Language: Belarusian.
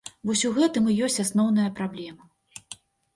Вось у гэтым і ёсць асноўная праблема.